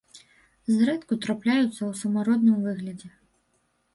Зрэдку трапляецца ў самародным выглядзе.